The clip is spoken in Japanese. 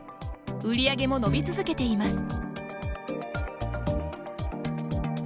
売り上げも伸び続けています。